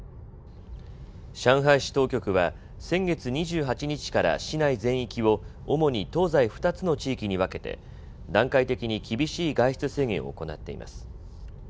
上海市当局は先月２８日から市内全域を主に東西２つの地域に分けて段階的に厳しい外出制限を行っています。